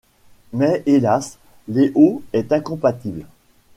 Mais hélas Léo est incompatible.